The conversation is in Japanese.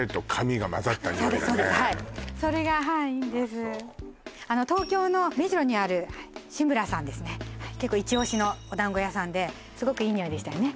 そうですそうですはい東京の目白にある志むらさんですね結構イチオシのお団子屋さんですごくいい匂いでしたよね